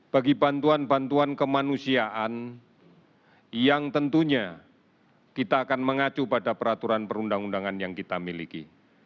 bagi bantuan bantuan kemanusiaan yang tentunya kita akan mengacu pada peraturan perundang undangan yang kita miliki